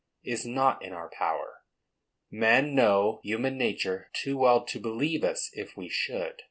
is not in our power. Men know human nature too well to believe us, if we should.